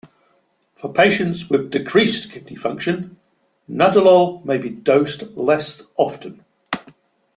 For patients with decreased kidney function, nadolol may be dosed less often.